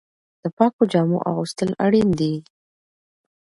د پاکو جامو اغوستل اړین دي.